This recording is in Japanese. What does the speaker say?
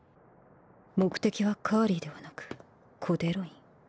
目的はカーリーではなくコデロイン？